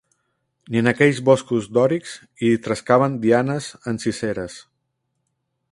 Ni en aquells boscos dòrics hi trescaven Dianes enciseres